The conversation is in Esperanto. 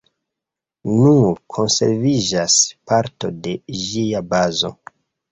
Nur konserviĝas parto de ĝia bazo.